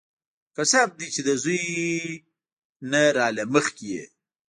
قسم دې چې د زوى نه راله مخکې يې.